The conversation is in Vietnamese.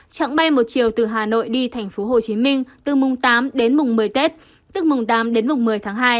trạng bay một chiều từ hà nội đi tp hcm từ mùng tám đến mùng một mươi tết tức mùng tám đến mùng một mươi tháng hai